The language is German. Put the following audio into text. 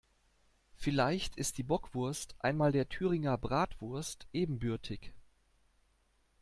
Vielleicht ist die Bockwurst einmal der Thüringer Bratwurst ebenbürtig.